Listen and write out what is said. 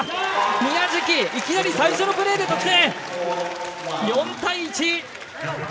宮食、いきなり最初のプレーで得点！